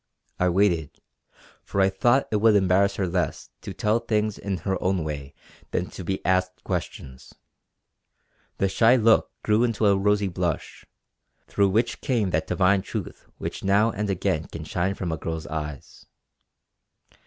I waited, for I thought it would embarrass her less to tell things in her own way than to be asked questions. The shy look grew into a rosy blush, through which came that divine truth which now and again can shine from a girl's eyes.